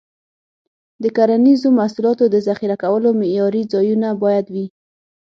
د کرنیزو محصولاتو د ذخیره کولو معیاري ځایونه باید وي.